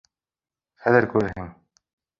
— Хәҙер күрерһең.